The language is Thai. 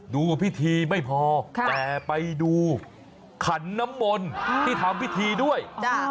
ดูพิธีไม่พอแต่ไปดูขันน้ำมนต์ที่ทำพิธีด้วย